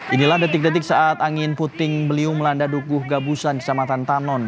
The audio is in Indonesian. inilah detik detik saat angin puting beliung melanda dukuh gabusan kecamatan tan